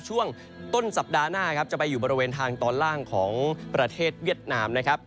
ช่วงต้นสัปดาห์หน้าครับจะไปอยู่บริเวณทางตอนล่างของประเทศเวียดนามนะครับ